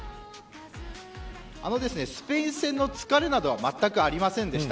スペイン戦の疲れなどはまったくありませんでした。